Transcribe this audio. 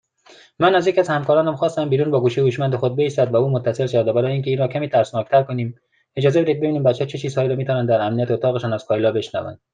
من از یکی از همکاران خواستم بیرون با گوشی هوشمند خود بایستد، و او متصل شود، و برای اینکه این را کمی ترسناکتر کنیم … (خنده) اجازه بدهید ببینیم بچهها چه چیزهایی را میتوانند در امنیت اتاقشان از کایلا بشنوند